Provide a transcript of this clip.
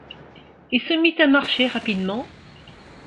Il se mit à marcher rapidement.